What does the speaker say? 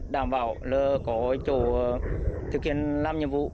đảm bảo có chỗ thực hiện làm nhiệm vụ